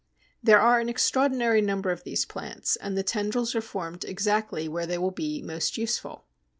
There are an extraordinary number of these plants and the tendrils are formed exactly where they will be most useful.